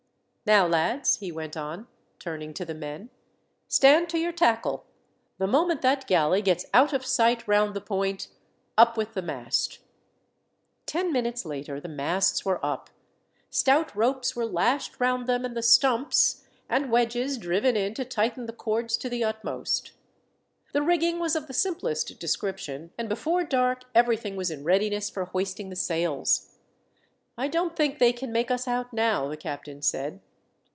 "Now, lads," he went on, turning to the men, "stand to your tackle. The moment that galley gets out of sight round the point, up with the mast." Ten minutes later the masts were up, stout ropes were lashed round them and the stumps, and wedges driven in to tighten the cords to the utmost. The rigging was of the simplest description, and before dark everything was in readiness for hoisting the sails. "I don't think they can make us out now," the captain said.